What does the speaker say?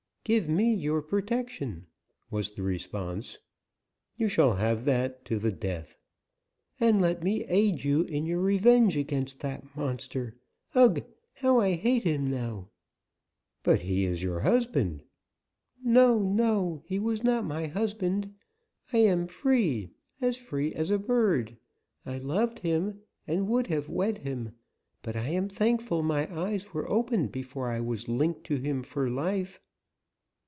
"Give me your protection," was the response. "You shall have that, to the death." "And let me aid you in your revenge against that monster. Ugh! how I hate him now!" "But, he is your husband " "No, no, he was not my husband; I am free, as free as a bird. I loved him, and would have wed him, but I am thankful my eyes were opened before I was linked to him for life."